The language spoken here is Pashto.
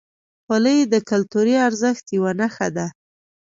خولۍ د کلتوري ارزښت یوه نښه ده.